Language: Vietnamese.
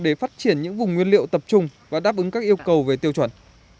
để phát triển những vùng nguyên liệu tập trung và đáp ứng các yêu cầu về tiêu chuẩn